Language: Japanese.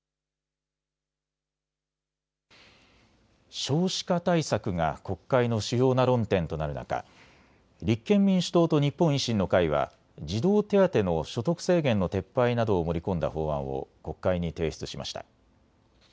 少子化対策が国会の主要な論点となる中、立憲民主党と日本維新の会は児童手当の所得制限の撤廃などを盛り込んだ法案を国会に提出しました。